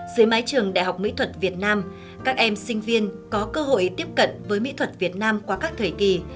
dưới mái trường đại học mỹ thuật việt nam các em sinh viên có cơ hội tiếp cận với mỹ thuật việt nam qua các thời kỳ